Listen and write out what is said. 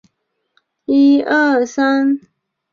批次间的闲置停顿时间被称为停机时间。